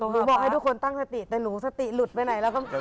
บอกให้ทุกคนตั้งสติแต่หนูสติหลุดไปไหนแล้วก็